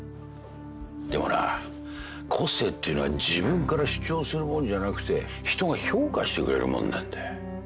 でもな個性っていうのは自分から主張するもんじゃなくて人が評価してくれるもんなんだよ。